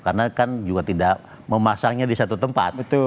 karena kan juga tidak memasangnya di satu tempat